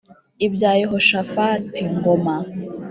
Ibya Yehoshafati ( Ngoma --)